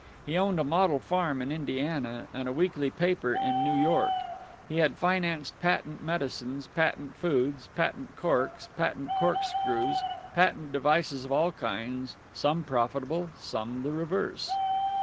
He owned a model farm in Indiana, and a weekly paper in New York. He had financed patent medicines, patent foods, patent corks, patent corkscrews, patent devices of all kinds, some profitable, some the reverse.